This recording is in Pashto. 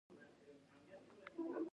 ایا ستاسو سپوږمۍ به روښانه وي؟